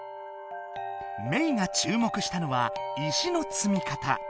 メイがちゅうもくしたのは石のつみかた。